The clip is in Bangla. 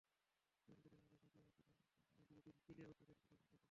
নারকেলের পানি শুকিয়ে আসলে দিয়ে দিন তিল ও চালের গুঁড়া ও এলাচ গুঁড়া।